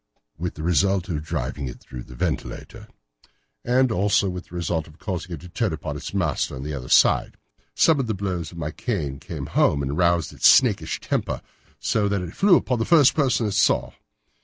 "With the result of driving it through the ventilator." "And also with the result of causing it to turn upon its master at the other side. Some of the blows of my cane came home and roused its snakish temper, so that it flew upon the first person it saw.